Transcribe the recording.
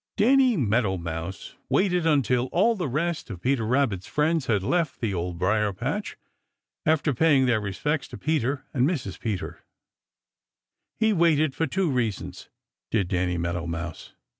Danny Meadow Mouse waited until all the rest of Peter Rabbit's friends had left the Old Briar patch after paying their respects to Peter and Mrs. Peter, He waited for two reasons, did Danny Meadow Mouse.